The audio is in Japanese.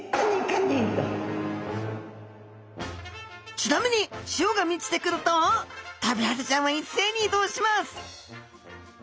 ちなみに潮が満ちてくるとトビハゼちゃんは一斉に移動します